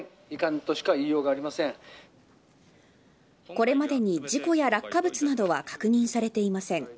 これまでに事故や落下物などは確認されていません。